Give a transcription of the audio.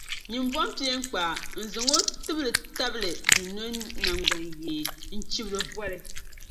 nyin’ bomi peeŋkpaa n-zaŋ o tibili tabili dunoli naŋgbanyee n-chibi li voli.